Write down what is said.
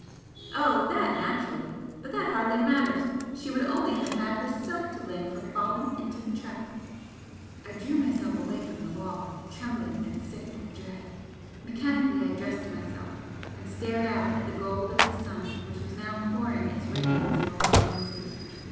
"Oh! That, naturally! But that hardly matters. She would only have had herself to blame for falling into the trap." I drew myself away from the wall, trembling and sick with dread. Mechanically I dressed myself, and stared out at the gold of the sun which was now pouring its radiance full on the sea.